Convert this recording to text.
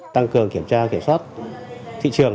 tăng cường kiểm tra kiểm soát thị trường